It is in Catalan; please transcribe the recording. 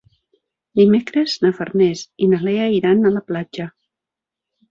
Dimecres na Farners i na Lea iran a la platja.